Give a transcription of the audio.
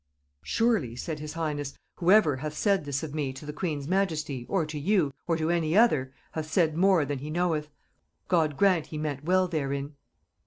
"'Surely,' said his highness, 'whoever hath said this of me to the queen's majesty, or to you, or to any other, hath said more than he knoweth, God grant he meant well therein.